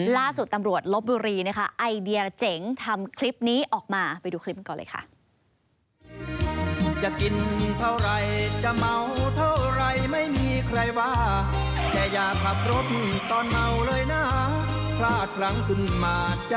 ล่าสุดตำรวจลบบุรีนะคะไอเดียเจ๋งทำคลิปนี้ออกมาไปดูคลิปกันก่อนเลยค่ะ